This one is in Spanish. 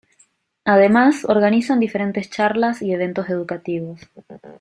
Además, organizan diferentes charlas y eventos educativos.